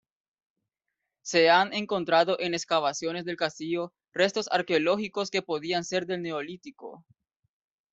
Se han encontrado en excavaciones del castillo restos arqueológicos que podían ser del Neolítico.